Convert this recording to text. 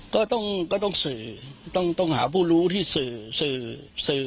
ก็ต้องซื้อต้องหาผู้รู้ที่ซื้อซื้อ